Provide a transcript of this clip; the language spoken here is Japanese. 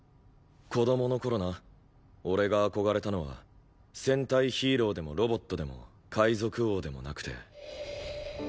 子供の頃な俺が憧れたのは戦隊ヒーローでもロボットでも海賊王でもなくて。